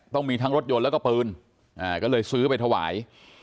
ต้องมีทั้งรถยนต์แล้วก็ปืนก็เลยซื้อไปถวาย